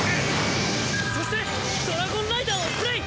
そしてドラゴンライダーをプレイ！